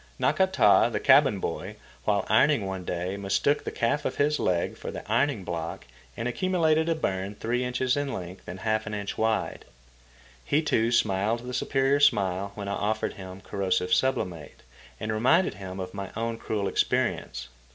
Nakata, the cabin boy, while ironing one day, mistook the calf of his leg for the ironing block and accumulated a burn three inches in length and half an inch wide. He, too, smiled the superior smile when I offered him corrosive sublimate and reminded him of my own cruel experience.